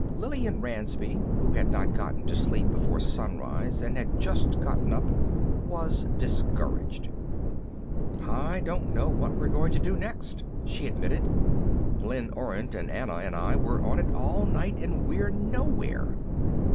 Lillian Ransby, who had not gotten to sleep before sunrise and had just gotten up, was discouraged. "I don't know what we're going to do next," she admitted. "Glenn Orent and Anna and I were on it all night, and we're nowhere.